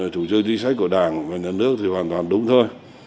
thủ chơi tinh sách của đảng và nhà nước thì hoàn toàn đúng thôi